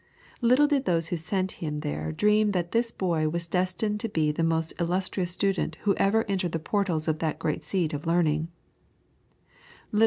Little did those who sent him there dream that this boy was destined to be the most illustrious student who ever entered the portals of that great seat of learning.